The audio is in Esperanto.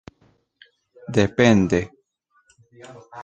depende